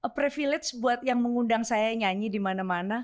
privilege buat yang mengundang saya nyanyi di mana mana